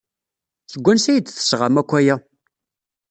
Seg wansi ay d-tesɣam akk aya?